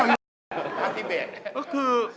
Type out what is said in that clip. ก็คือ